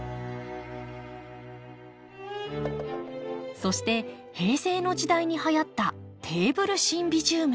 そして平成の時代にはやったテーブルシンビジウム。